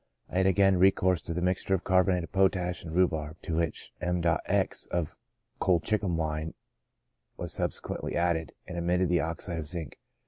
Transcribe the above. I had again recourse to the mixture of carbonate of potash and rhubarb, to which m.x of colchicum wine were subsequently added, and omitted the oxide of zinc.